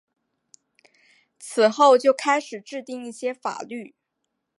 此后就开始制定一些法律。